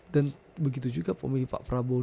dan begitu juga pemilih pak prabowo